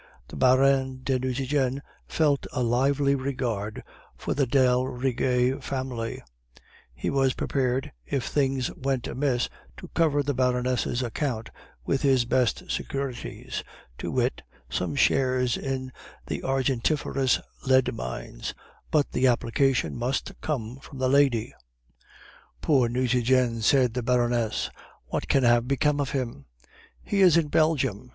The Baron de Nucingen felt a lively regard for the d'Aldrigger family; he was prepared, if things went amiss, to cover the Baroness' account with his best securities, to wit, some shares in the argentiferous lead mines, but the application must come from the lady. "'Poor Nucingen!' said the Baroness. 'What can have become of him?' "'He is in Belgium.